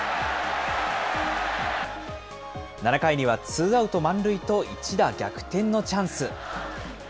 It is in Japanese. ７回にはツーアウト満塁と一打逆転のチャンス。